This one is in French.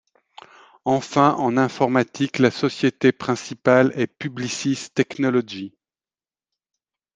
Enfin en informatique la société principale est Publicis Technology.